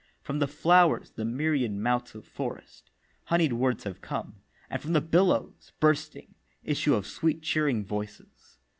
From the Flowers, the myriad mouths of Forest, Honey'd words have come, and from the Billows, Bursting, issue of sweet cheering voices.